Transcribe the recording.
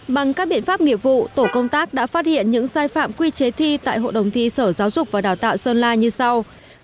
bằng các biện pháp nghiệp vụ tổ công tác đã phát hiện những sai phạm quy chế thi tại hội đồng thi sở giáo dục và đào tạo sơn la như sau